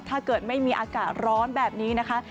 ถ้าเกิดไม่มีอากาศร้อนแบบนี้นะคะ